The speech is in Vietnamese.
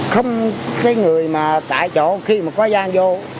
không cái người mà tại chỗ khi mà có gian vô